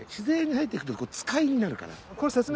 然に入っていくとこ使いになるから。